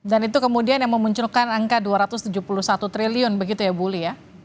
dan itu kemudian yang memunculkan angka dua ratus tujuh puluh satu triliun begitu ya buli ya